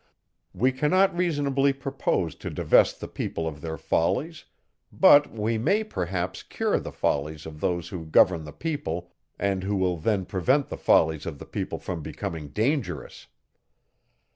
We cannot reasonably propose to divest the people of their follies; but we may perhaps cure the follies of those who govern the people, and who will then prevent the follies of the people from becoming dangerous.